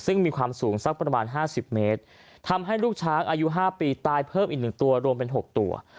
ซึ่งมีความสูงสักประมาณ๕๐เมตรทำให้ลูกช้างอายุ๕ปีตายเพิ่มอีกหนึ่งตัวรวมเป็น๖ตัว